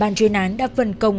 bàn truyền án đã phân công